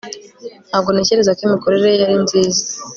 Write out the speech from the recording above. Ntabwo ntekereza ko imikorere ye yari nziza